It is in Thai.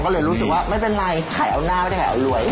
ก็เลยรู้สึกว่าไม่เป็นไรขายเอาหน้าไม่ได้ขายเอารวย